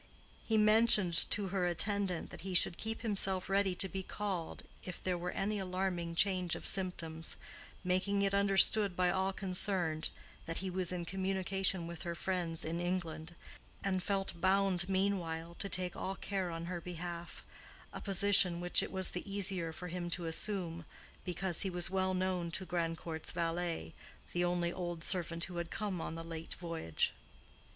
He mentioned to her attendant that he should keep himself ready to be called if there were any alarming change of symptoms, making it understood by all concerned that he was in communication with her friends in England, and felt bound meanwhile to take all care on her behalf—a position which it was the easier for him to assume, because he was well known to Grandcourt's valet, the only old servant who had come on the late voyage.